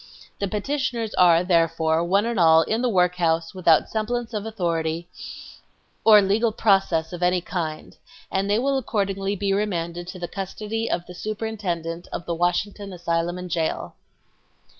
. The petitioners are, therefore, one and all, in the Workhouse without semblance of authority or legal process of any kind .... and they will accordingly be remanded to the custody of the Superintendent of the Washington Asylum and Jail."